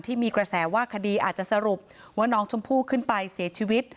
ที่มีกระแสว่าคดีอาจจะสรุปว่าน้องชมพู่ขึ้นไปเสียชีวิต